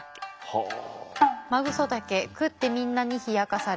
はあ。